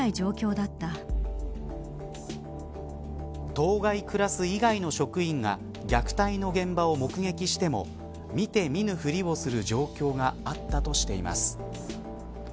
当該クラス以外の職員が虐待の現場を目撃しても見て見ぬふりをする状況があったとしています。